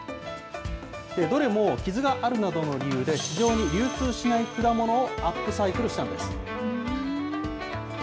どれも傷があるなどの理由で市場に流通しない果物をアップサイクルしたんです。